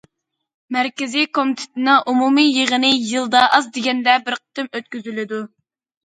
مەركىزىي كومىتېتنىڭ ئومۇمىي يىغىنى يىلدا ئاز دېگەندە بىر قېتىم ئۆتكۈزۈلىدۇ.